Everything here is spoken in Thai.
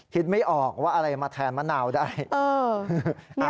คิดไม่ออกว่าอะไรมาแทนมะนาวได้